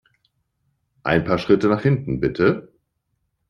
Ein paar Schritte nach hinten, bitte!